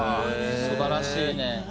素晴らしいね。